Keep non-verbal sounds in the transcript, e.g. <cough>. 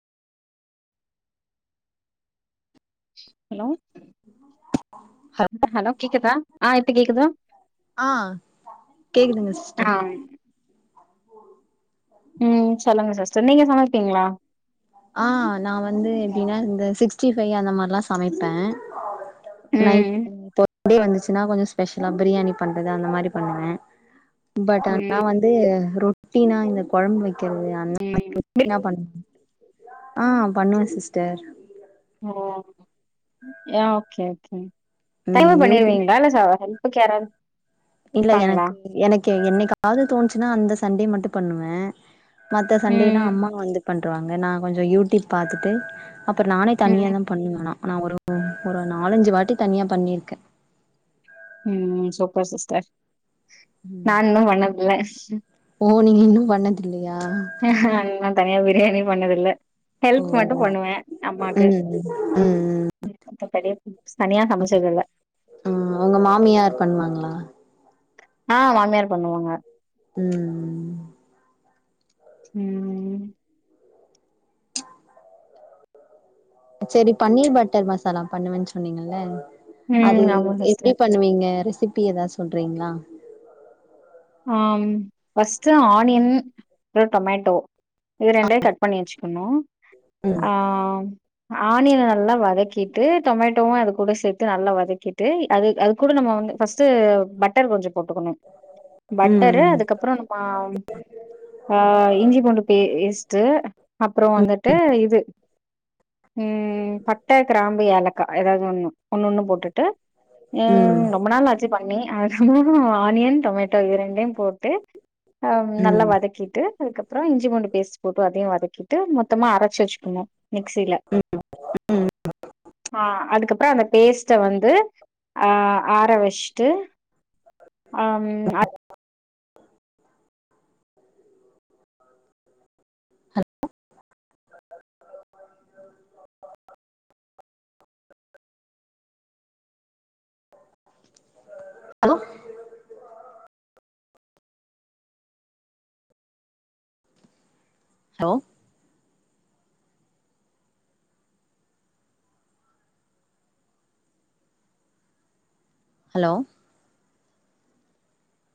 hello hello கேக்குதா ஆ இப்ப கேக்குதா ஆ கேக்குதுங்க சிஸ்டர் ஆம் உம் சொல்லுங்க சிஸ் <unintelligible> நீங்க சமைப்பீங்ளா ஆ நா வந்து எப்டின்னா இந்த சிக்ஸ்டி ஃபைவ் அந்த மாரிலா சமைப்ப நைட் ம் <unintelligible> டே வந்துச்சுன்னா கொஞ்சோ ஸ்பெஷலா பிரியாணி பண்றது அந்த மாரி பண்ணுவ பட் ஆனா ம் வந்து ரொட்டினா இந்த கொழம்பு வைக் க்கிறது அந்த <unintelligible> பண்ண ஆ பண்ணுவ sister oh yeah okay okay ம் தயவ யூடியூப் பண்ணிருவீங்ளா இல்ல சாவக ப்ப கேரன் இல்ல எனக்கு எனக்கு என்னைக்காவது தோணுச்சுன்னா அந்த சண்டே மட்டு பண்ணுவ மத்த சண்டேல்லா ம் அம்மா வந்து பண்ருவாங்க நா கொஞ்சோ யூடிப் பாத்துட்டு அப்றோ நானே ம் தனியா தா பண்ணுவ ஆனா ஒரு ஒரு ஒரு நாலஞ்சு வாட்டி தனியா பண்ணிருக்க உம் சூப்பர் சிஸ்டர் நா இன்னு பண்ணதுல்ல பண்ணதில்ல ஹ நா தனியா <unintelligible> பிரியாணி பண்ணதுல்ல ஓ ஹெல்ப் மட்டும் பண்ணுவேன் அம்மாக்கு ம் பெரிய ஆஹ் உங்க மாமியயார் பண்ணுவாங்களா ஆஹ் மாமியார் பண்ணுவாங்க உம் ம் உம் ம் செரி பன்னீர் பட்டர் மசாலா பண்ணுவன் சொன்னீங்கல்ல அது ம் ஆமா எப்டி சிஸ்டர் பண்ணுவீங்க சிப்பி எதாத் சொல்றீங்ளா ஆஹ்ம் ஃபஸ்ட்டு ஆனியன் அப்றோ டொமேட்டோ இது ரெண்டயு கட் பண்ணி வெச்சுக்கணு ம் ஆஹ் ஆனியன நல்லா வதக்கிட்டு டொமேட்டோவு அது கூட சேத்து நல்லா வதக்கிட்டு அது அது கூட நம்ம வந்து ஃபஸ்ட்டு பட்டர் கொஞ்சோ போட்டுக்கணு பட்டரு ம் அதுக்கப்பறோ நம்ம ஆஹ் இஞ்சி பூண்டு பே பேஸ்ட்டு அப்பறோ ம் வந்துட்டு இது உம் பட்ட, கிராம்பு, ஏலக்கா எதாது ஒன்னு ஒன்னு ஒன்னு போட்டுட்டு உம் ம் ரொம்ப நாள் ஆச்சு பண்ணி <inaudible> ஆனியன் டொமேட் இது ரெண்டயு போட்டு ஆஹ்ம் நல்லா ம் வதக்கிட்டு அதுக்கப்பறோ இஞ்சிபூண்டு பேஸ்ட் போட்டு அதையு வதக்கிட்டு மொத்தமா அரச் வெச்சுக்கணு மிக்ஸில ம் ஆஹ் அதுக்கப்றோ அந்த பேஸ்ட்ட வந்து ஆஹ் ஆற வெச்ட்டு ஹலோ ஹலோ ஹலோ